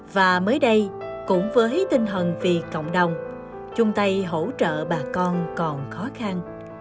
và mới đây cũng với tinh thần vì cộng đồng chung tay hỗ trợ bà con còn khó khăn